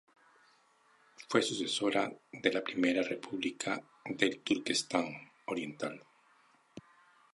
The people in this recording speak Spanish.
Fue sucesora de la Primera República del Turkestán Oriental.